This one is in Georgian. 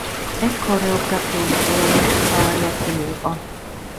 ეს ქორეოგრაფიული ხელოვნების მთავარი ადგილი იყო.